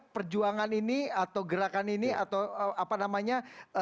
perjuangan ini atau gerakan ini atau apa namanya